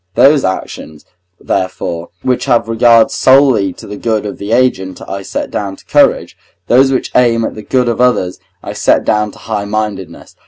Those actions, therefore, which have regard solely to the good of the agent I set down to courage, those which aim at the good of others I set down to highmindedness.